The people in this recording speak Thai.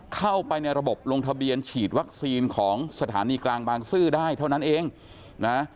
เข้าไปในระบบลงทะเบียนฉีดวัคซีนของสถานีกลางบางซื่อได้เท่านั้นเองนะ